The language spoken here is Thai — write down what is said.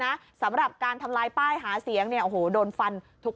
สำหรับการทำลายป้ายหาเสียงเนี่ยโอ้โหโดนฟันทุก